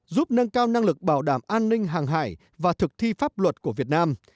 giúp nâng cao năng lực bảo đảm an ninh hàng hải và thực thi pháp luật của việt nam